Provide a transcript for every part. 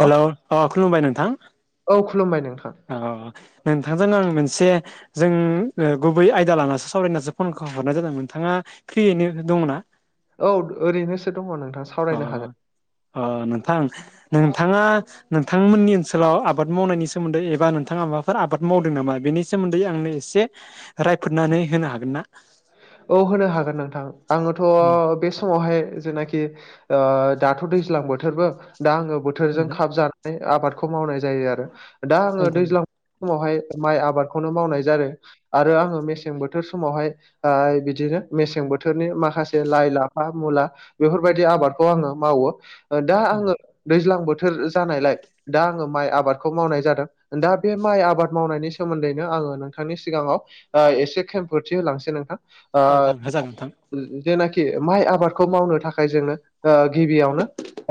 हेल' अ खुलुमबाय नोंथां। औ खुलुमबाय नोंथां। अ नोंथांजों आं मोनसे जों ओ गुबै आयदा लानानैसो सावरायनासो फनखो हरनाय जादों नोंथाङा फ्रियैनो दङना? औ ओ- ओरैनोसो दङ नोंथां। अ सावरायनो हागोन अ नोंथां नोंथाङा नोंथांमोननि ओनसोलाव आबाद मावनायनि सोमोन्दै एबा नोंथाङा माबाफोर आबाद मावदों नामा बेनि नि सोमोन्दै आंनो एसे रायफोनानै होनो हागोन ना? औ होनो हागोन नोंथां आङोथ' उम बे समावहाय जेनाखि दाथ' दैज्लां बोथोरबो दा आङो बोथोरजों खाब जा आबादखौ मावनाय जायो आरो दा आङो नोंथां औ दैज्लां समावहाय माइ आबादखौनो मावनाय जादों आरो आङो मेसें बोथोर समावहाय बिदिनो मेसें बोथोरनि माखासे लाइ लाफा मुला बेफोरबायदि आबादखौ आङो मावो दा आङो दैज्लां बोथोर जानायलाय दा आङो माइ आबादखौ मावनाय जादों। दा बे माइ आबाद मावनायनि सोमोन्दैनो आङो नोंथांनि सिगाङाव ओ एसे खेंफोरथि होलांसै नोंथां आ नोंथां होजागोन नोंथां जेनाखि माइ आबादखौ मावनो थाखाय जोङो ओ गिबियावनो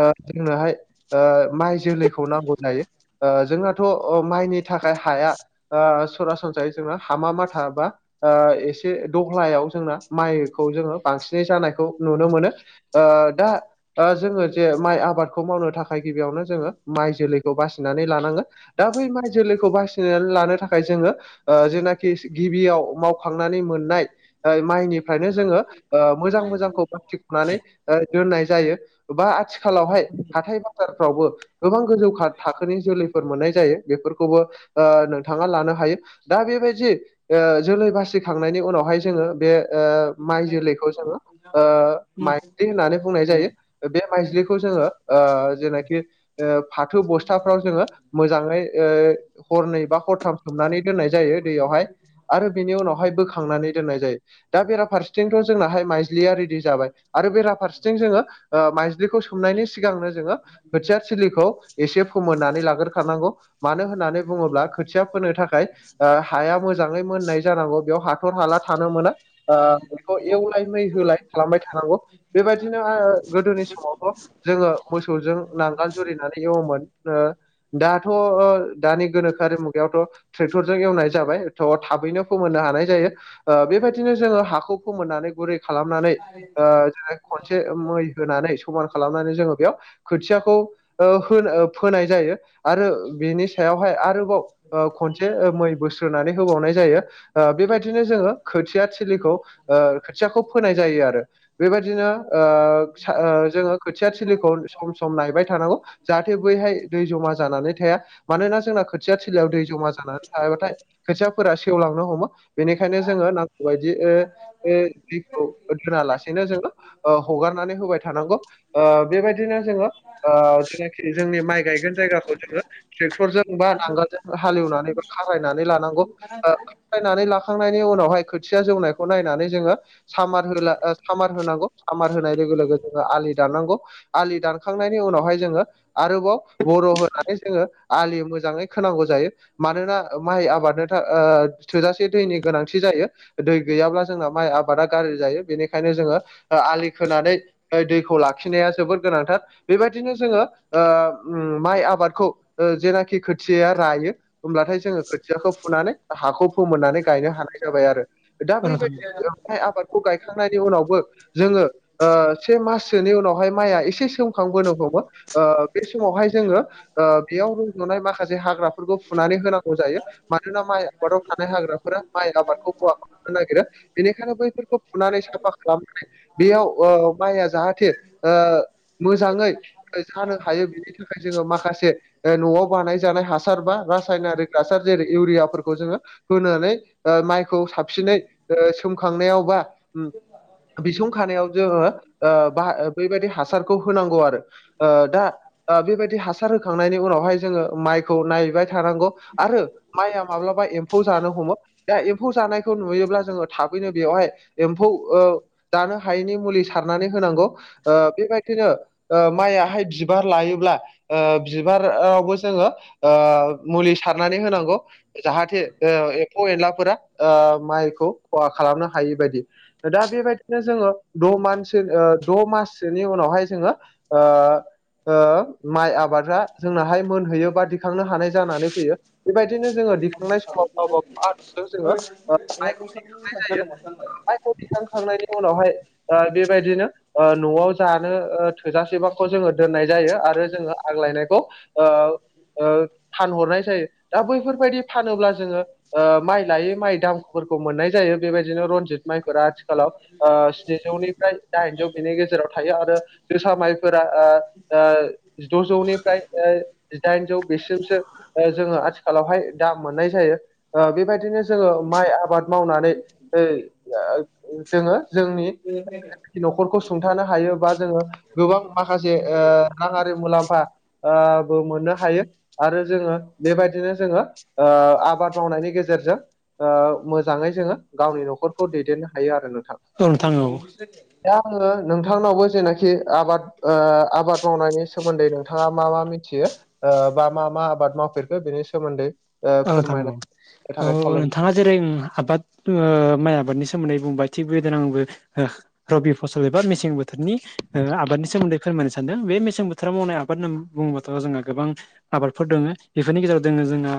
ओ जोंनोहाय ओ माइ जोलैखौ नांगौ जायो ओ जोंना थ' अ माइनि थाखाय हाया ओ सरासनस्रायै जोंना हामा माथा बा ओ ओ एसे दह्लायाव जोंना माइखौ जोङो बांसिनै जानायखौ नुनो मोनो। ओ दा ओ जोङो जे माइ आबादखौ मावनो थाखाय गिबियावनो जोङो माइ जोलैखौ बासिनानै लानाङो। दा बै माइ जोलैखौ बासिनानै लानो थाखाय जोङो ओ जेनाखि गिबियाव मावखांनानै मोननाय ओ माइनिफ्रायनो जोङो ओ मोजां मोजांखौ ब [unintelligible] दोननाय जायो बा आथि खालावहाय हाथाय बाजारफ्रावबो गोबां गोजौ थाखोनि जोलैफोर मोननाय जायो बेफोरखौबो नोंथाङा लानो हायो। दा बेबायदि ओ जोलै बासिखांनायनि उनावहाय जोङो बे ओ माइ जोलैखौ जोङो ओ माइज्लि होननानै बुंनाय उनाव जायो बे माइज्लिखौ जोङो ओ जेनाखि ओ फाथो बस्थाफ्राव जोङो मोजाङै ओ हरनै बा हरथाम सोमनानै दोननाय जायो दैयावहाय आरो बिनि उनावहाय बोखांनानै दोननाय जायो। दा बेराफारसेथिंथ' जोंनाहाय माइज्लिया रेडि जाबाय आरो बेरा फारसेथिं जोङो ओ माइज्लिखौ सोमनायनि सिगांनो जोङो खोथिया थिलिखौ एसे फोमोननानै लाग्रोखानांगौ मानो होननानै बुङोब्ला खोथिया फोनो थाखाय ओ हाया मोजाङै मोननाय जानांगौ बेयाव हाथर हाला थानो मोना। ओ बेखौ एवलाय मै होलाय खालामबाय थानांगौ। बेबायदिनो ओ गोदोनि समावथ' जोङो मोसौजों नांगाल जुरिनानै एवोमोन। ओ दाथ' दानि गोनोखोआरि मुगायावथ' ट्रेक्टरजों एवनाय जाबाय थ' थाबैनो फोमोननो हानाय जायो। ओ बेबायदिनो जोङो हाखौ फोमोननानै गुरै खालामनानै ओ जोङो खनसे मै होनानै समान खालामनानै जोङो बेयाव खोथियाखौ ओ होन फोनाय जायो। आरो बेनि सायावहाय आरोबाव खनसे मै बोस्रोनानै होबावनाय जायो। ओ बेबायदिनो जोङो खोथिया थिलिखौ ओ खोथियाखौ फोनाय जायो आरो। बेबायदिनो ओ जोङो खोथिया थिलिखौ सम सम नायबाय थानांगौ जाहाथे बैहाय दै जमा जानानै थाया मानोना जोंना खोथिया थिलायाव दै जमा जानानै थायाबाथाय खोथियाफोरा सेवलांनो हमो बेनि जोङो नांगौबायदि ओ बे दैखौ दोना लासेनो जोङो ओ हगारनानै होबाय थानांगौ। ओ बेबायदिनो जोङो ओ जेनाखि जोंनि माइ गायगोन जायगाखौ जोङो ट्रेक्टरजों बा नांगोलजों हालेवनानैबो खारायनानै लानांगौ ओ खारायनानै लाखांनाय नि उनावहाय खोथिया जौनायखौ नायनानै जोङो सामार होला सामार होनांगौ सामार होनाय लोगो लोगो जोङो आलि दाननांगौ। आलि दानखांनायनि उनावहाय जोङो आरोबाव बर' होनानै जोङो आलि मोजाङै खोनांगौ जायो। मानोना माइ आबादाथ' ओ थोजासे दैनि गोनां थि जायो दै गैयाब्ला जोंना माइ आबादा गाज्रि जायो बेनिखायनो जोङो ओ आलि खोनानै दैखौ लाखिनाया जोबोर गोनांथार। बेबायदिनो जोङो ओ ओम माइ आबादखौ ओ जेनाखि खोथियाया रायो होब्लाथाय जोङो खोथियाखौ फुनानै हाखौ फोमोननानै गायनो हानाय जाबाय आरो। दा औ नोंथां बैबायदियै आबादखौ गायखांनायनि उनावबो जोङो ओ से माससोनि उनावहाय माइआ एसे सोमखांबोनो हमो ओ बे समावहाय जोङो ओ बेयाव रजनाय माखासे हाग्रा फोरखौ फुनानै होनांगौ जायो मानोना माइ आबादाव थानाय हाग्राफोरा माइ आबाद खौ खहा खालामनो नागिरो बेनिखायनो बैफोरखौ फुनानै साफा खालामनानै बेयाव ओ माइआ जाहाथे ओ मोजाङै जानो हायो बि नि थाखाय जोङो माखासे न'आव बानायजानाय हासार बा रासायनारिक हासार जेरै इउरियाफोरखौ जोङो होनानै ओ माइखौ साबसिनै ओ सोमखांनायाव बा बिसुं खानायाव जोङो ओ बा बैबायदि हासारखौ होनांगौ आरो। ओ दा ओ बेबायदि हासार होखांनायनि उनावहाय जोङो माइखौ नायहैबाय थानांगौ आरो माइआ माब्लाबा एम्फौ जानो हमो दा एम्फौ जानायखौ नुयोब्ला जोङो थाबैनो बेवहाय एम्फौ ओ जानो हायैनि मुलि सारनानै होनांगौ ओ बेबायदिनो माइयाहाय बिबार लायोब्ला बिबारावबो जोङो ओ मुलि सारनानै होनांगौ जाहाथे एम्फौ एनलाफोरा ओ माइखौ खहा खालामनो हायि बायदि। दा बेबायदिनो जोङो द' मानसो द' माससोनि उनावहाय जोङो ओ ओ माइ आबादा जोंनाहाय मोनहैयो बा दिखांनो हानाय जानानै फैयो। बिबायदिनो जोङो दिखांनाय सम [unintelligible] मायखौ दैखांखांनायनि उनावहाय बेबायदिनो ओ न'आव जानो थोजासेबाखौ जोङो दोननाय जायो आरो जोङो आग्लायनायखौ ओ ओ फानहरनाय जायो दा बैफोरबायदि फानोब्ला जोङो माइ लायै माइ दामफोरखौ मोननाय जायो बेबायदिनो रन्जित माइफोरा आथिखालाव ओ स्निजौनिफ्राय दाइनजौ बिनि गेजेराव थायो आरो जोसा माइफोरा ओ ओ जिद'जौनिफ्राय जिदाइनजौ बेसिमसो जोङो आथिखालावहाय दाम मोननाय जायो बेबायदिनो जोङो माइ आबाद मावनानै ओ आ जोङो जोंनि [unintelligible] न'खरखौ सुंथानो हायोबा जोङो गोबां माखासे ओ राङारि मुलाम्फा ओ बो मोननो हायो। आरो जोङो बेबायदिनो जोङो आबाद मावनायनि गेजेरजों ओ मोजाङै जोङो गावनि न'खरखौ दैदेननो हायो आरो नोंथां। औ नोंथां औ। दा आङो नोंथांनावबो जेनाखि आबाद ओ आबाद मावनायनि सोमोन्दै नोंथाङा मा मा मिथियो ओ बा मा मा आबाद मावफेरखो बेनि सोमोन्दै ओ औ नोंथां फोरमायना होनो औ थाखाय ओ खावलायनाय नोंथाङा जेरै आबाद माइ आबादनि सोमोन्दै बुंबाय थिग बेदिनो आंबो रबि फसल एबा मेसें बोथोरनि आबादनि सोमोन्दै फोरमायनो सानदों बे मेसें बोथोराव मावनाय आबाद होननानै बुङोबाथ' जोंहा गोबां आबादफोर दङो बेफोरनि गेजेराव दोङो जोंहा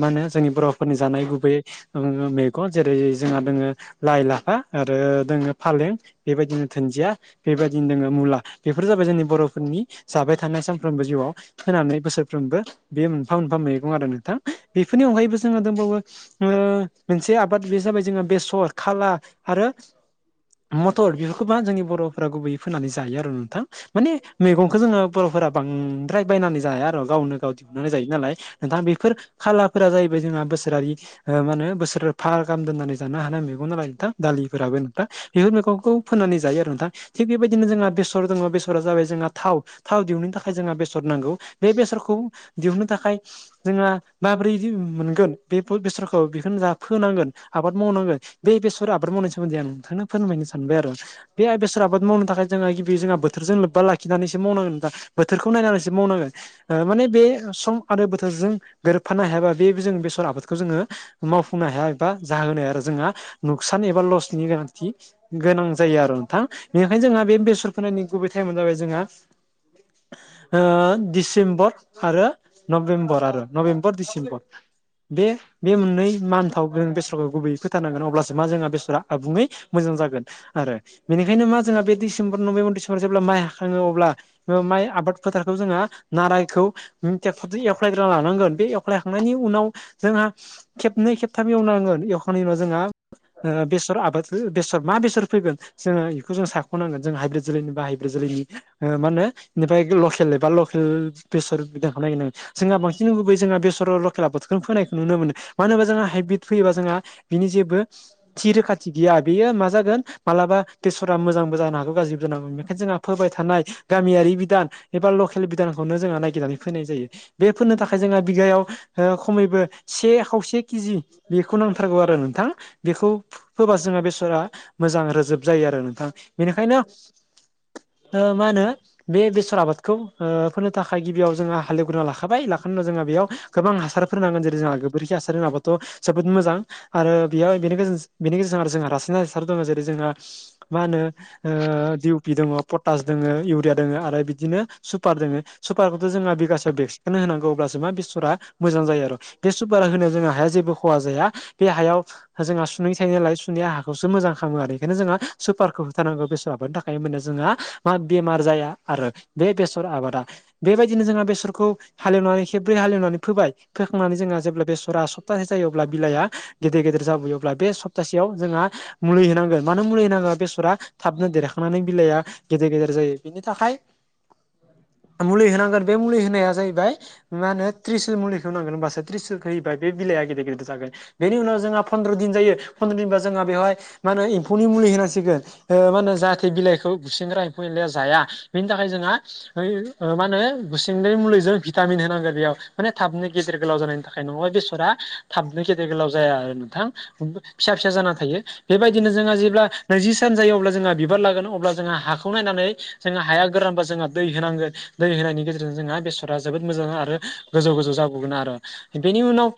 मा होनो जोंनि बर'फोरनि जानाय गुबैयै ओ मैगं जेरै जोंहा दोङो लाइ लाफा आरो दोङो फालें। बेबायदिनो धोनजिया बेबायदिनो दोङो मुला बेफोर जाबाय जोंनि बर'फोरनि जाबाय थानाय सानफ्रोमबो जिउआव फोनानै बोसोरफ्रोमबो बे मोनफा मोनफा मैगं आरो नोंथां बेफोरनि अनगायैबो जोङो दंबावो ओ मोनसे आबाद बे जाबाय जोंहा बेसर खाला आरो मथर बेफोरखौबा जोंनि बर'फ गुबैयै फोनानै जायो आरो नोंथां। माने मैगंखौ जोङो बर'फोरा बां बांद्राय बायनानै जाया आरो गावनो गाव दिहुननानै जायो नालाय नोंथाङा बि खालाफोरा जाहैबाय जोंना बोसोरारि ओ मा होनो बोसोरफा गाहाम दोन्नानै जानो हानाय मेगंआनो जाबाय नोंथां दालिफोराबो नोंथां। बेफोर मैगंखौ फोननानै जायो आरो नोंथां थिग बेबायदिनो जोंहा बेसर दङ बेसरा जाबाय जोंहा थाव। थाव दिहुननो थाखाय जोंहा बेसर नांगौ बे बेसरखौ दिहुननो थाखाय जोंहा माबोरै मोनगोन बे बेसरखौ बेखौनो जा फोनांगोन आबाद मावनांगोन। बे बेसर आबाद मावनायनि सोमोन्दै आं नोंथांनो फोरमायनो सानबाय आरो। बे बेसर आबाद मावनो थाखाय जोंङ गिबि जों बोथोरजों लोबबा लाखि खिनानैसो मावनांगोन दा बोथोरखौ नायनानैसो मावनांगोन माने बे सम आरो बोथोरजों गोरोबफानो हायाबा बे जों बेसर आबादखौ जोङो मावफुंनो हाया एबा जाहोनो हाया आरो जोंहा नुकसान एबा लसनि गोनांथि गोनां जायो आरो नोंथां बेनिखायनो जोंहा बेसर फोनायनि गुबै टाइमानो जाबाय जोंहा दिडिसेम्बर आरो नभेम्बर आरो। नभेम्बर डिसेम्बर बे बे मोननै मान्थाव जों बेसराव गुबै फोथारनांगोन अब्लासो मा जोंहा बेसरा आबुङै मोजां जागोन। आरो बेनिखायनो मा जोंहा बे डिसेम्बर नबे जेब्ला माइ हाख्राङो अब्ला माइ आबाद फोथारखौ जोङो नारायखौ टेक्टरजों एवख्लायग्रा लानांगोन बे एवख्लायखांनायनि उनाव जोंहा खेबनै खेबथाम एवनांगोन एवखांनायनि उनाव जोंहा बेसर आबाद बेसर मा बेसर फैगोन जोङो बेखौ जों साख'नांगोन जों हाइब्रिद जोलैनि बाहायब्रो जोलैनि मा होनो बेनिफ्राय लकेल एबा लकेल प्रेसर बिदांखौनो नागिर जोंहा बांसिन बेनि गुबुै जोंहा बेसराव लकेल बथोरखौनो फोनखौ नु मोनो। मानो होनोबा जोंहा हाइब्रिद फैयोबा जोंहा बिनि जेबो थि रोखाथि गैया बेयो मा जागोन मालाबा दसरा मोजांबो जानो हागौ गाज्रिबो जानांगौोन बेनिखायनो जोंहा फोबाय थानाय गामियारि बिधान एबा लकेल बिधानखौनो जों नायागिरनानै फैनाय जायो बे नो थाखाय जोंहा बि बिघायाव खमैबो से खावसे केजि बेखौ नांथारगौ आरो नोंथां। बेखौ होबा जोङो बेसरा मोजां रोजोब जायो आरो नोंथां बेनिखायनो मा होनो बे बेसर आबादखौ फोनो थाखाय गिबियाव जोङो हालेवग्रोना लाखा लाखानायाव जों बेयाव गोां हासार होनांगोन जेरै जोंहा गोबोरखि हासार होन नाबाथ' जोबोद मोजां। आरो बेयो बेनि गेजेरजों आरो जोंहा रासायनारि हा सार दङ जेरै जोंहा मा होनो दिउ पि दङ पटास दोङो इउरिया दोङो आरो बिदिनो सुपार दोङ सुारखौथ' जोंहा बिगासेआव बेस्ट बेनो होनांगौ अब्लासो मा बेसरा मोजां जायो आरो बेसर बारा होनायाव जोंहा हाया जेबो खहा जाया बे हायाव जोंहा सुै थायो नालाय सुनाया हाखौसो मोजां खालामो आरो बेखायनो जोंहा सुपारखौ होथारानांगौ बेसाबनि थाखाय माने जोंहा मा बेमार जाया आरो। बे बेसर आबादा बेबायदिनो जोंहा बेसरखौ हालेवनानै खेब्रै हालेवनानै फोबाय फोखांनानै जोंहा जेब्ला बेसरा सप्ताहसे जायो अब्ला बिलाइआ गेदेर गेदेर जाबोयोब्ला बे सप्तासेयाव जोंहा मुलि होनांगोन मानो मुलि होनांगा बेसरा थाबनो देरखांनानै बिलाइआ गेदेर गेदेर जायो बिनि थाखाय मुलि होनांगोन बे मुलि होनाया जाह मा होनो त्रिसल मुलिखौ नांगोन होनोमबासो त्रिसुखौ होा बे बिलाइया गिदिर गिदिर जागोन। बेनि उनाव जोंहा फन्द्र' दिन जायो फन्द्र' दिनबा जोंहा बेवहाय म होनो एमफोनि मुलि होनांसिगोन मा होनो जाहाथे बिलाइखौ बुसिनग्रा एम्फौ एनलाया जाया बेनि थाखाय जोंहा मा होनो गुसेंग्राय मुलिजों भिटामिन होनांगोन बेयाव। माने थाबनो गिदेर गोलाव जानायनि थाखाय नङाबा बेसरा थाबनो गिदेर गोलाव जाया आरो नोंथां। फिसा फिसा जाना थायो। बेबायदिनो जोंहा जेब्ला नैजि सान जायो अब्ला जोंहा बिबार लागोन अब्ला जोंहा हाखौ नायनानै जोंहा हाया गोरानबा जोंहा दै होनांगोन दै होनायनि गेजेरजों जोंहा बेसरा जोबोद मोजां आरो गोजौ गोजौ जाबगोन आरो बेनि उनाव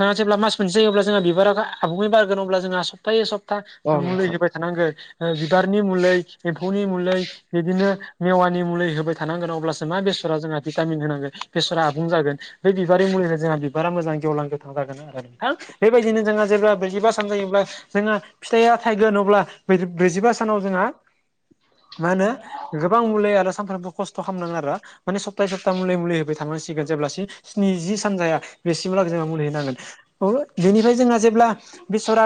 नोंथाङा जेब्ला मास मोनसे जायोब्ला जोंहा बिबारा आबुङै बारगोन अब्ला जोंहा सप्तायै सप्ता औ ज मुलि नोंथां जोबा थानांगोन बिबारनि मलै एम्फौनि मलै बिदिनो मेवानि मुलि होबाय थानांगोन अब्लासो मा बेसरा जोंहा भिटामिन होनांगोन बेसरा आबुं जागोन बेै बिबारनि मुलिनो जोंहा बिबारा मोजां गेवलां गोथां जागोन आरो नोंथां। बेबायदिनो जोंहा जेब्ला बैजिबा सान जायोब्ला जोङो फिथाइया थाइगोन अब्ला ब्रैजिबा सानाव जोंहा मा होनो गोबां मुलि आरो सानफ्रोमबो खस्थ' खालामनाङो आरो माने सप्ता सप्ता मुलि मुलि होबाय थांसिगोन जेब्लासिम स्निजि सान जाया बेसिमलागै जोंहा मुलि होनांगोन औ बेनिफ्राय जोंहा जेब्ला बेसरा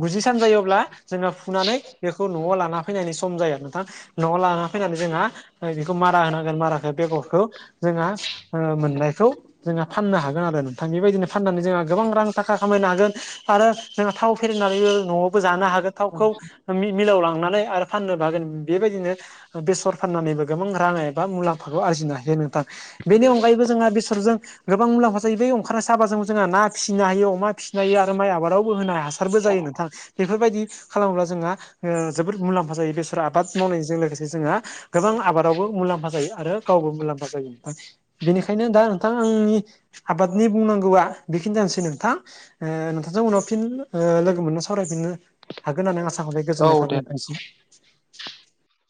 गुजि [unintelligible] जायोब्ला जोङो फुनानै बेखौ न'आव लाना फैनायनि सम जाया नोंथां। न'आव लाना फैनानै जोंहा बेखौ मारा होनांगोन माराखौ बेगरखौ जोंहा ओ मोननायखौ जोंहा फाननो हागोन आरो नोंथां बेबायदिनो फाननानै जोंहा गोबां रां थाखा खामायनो हागोन। आरो जोंहा थाव फेरनानैबो न'आवबो जानो हागोन। थावखौ मि-मिलाव लांनानै आरो फाननोबो हागोन। बेबायदिनो बेसर फाननानैबो गोबां रां एबा मुलाम्फाखौ आरजिनो हायो नों बेनि अनगायैबो जोंहा बेसरजों गोबां मुलाम्फा जायो बेै ओंखारनाय साबाजों जोंहा ना फिसिनो हायो अमा फिसिनो हायो आरो माइ आबादावबो होनाय हासारबो जायो नोंथां। बेफोरबायदि खालामोब्ला जोंहा जोबोद मुलाम्फा जायो बेसर आबाद मावनायजों लोगोसे जोंहा गोबां आबादावबो मुलाम्फा जायो आरो गावबो मुलाम्फा जायो नोंथां बेनिखायनो दा नोंथां आंनि आबादनि बुंनांगौआ बेखिनि जानोसै नोंथां। ओ नोंथांजों उनाव फिन ओ लोगो मोननो सावरायफिननो हागोन होननानै आसा खालामबाय औ गोजोननाय दे थाबाय आरो नोंथां। [inaudible]